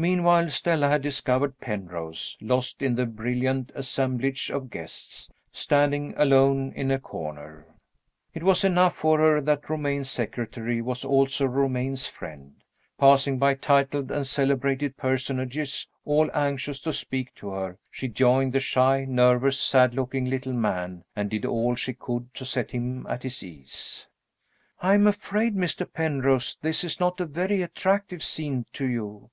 Meanwhile, Stella had discovered Penrose, lost in the brilliant assemblage of guests, standing alone in a corner. It was enough for her that Romayne's secretary was also Romayne's friend. Passing by titled and celebrated personages, all anxious to speak to her, she joined the shy, nervous, sad looking little man, and did all she could to set him at his ease. "I am afraid, Mr. Penrose, this is not a very attractive scene to you."